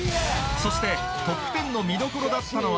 そして『トップテン』の見どころだったのは